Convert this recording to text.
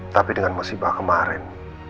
tapi dengan musibah kemarin